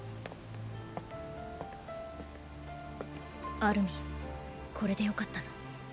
アルミンこれでよかったの？！！